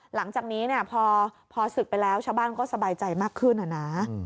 หลังจากนี้เนี่ยพอศึกไปแล้วชาวบ้านก็สบายใจมากขึ้นนะ